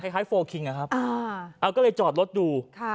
คล้ายคล้ายนะครับอ้าวก็เลยจอดรถดูค่ะ